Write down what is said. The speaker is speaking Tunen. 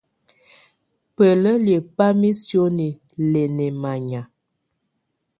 Bələliə ba misioni lɛ nɛmannya.